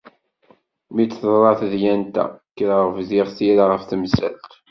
Mi d-teḍra tedyant-a, kkreɣ bdiɣ tira ɣef temsalt.